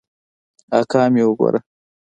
اکا مې وګوره.